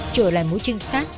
trở lại mũi trinh sát